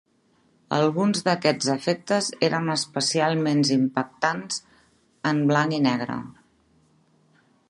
Alguns d'aquests efectes eren especialment impactants en blanc i negre.